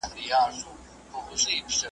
او بیا نو واه واه ورته ووايي .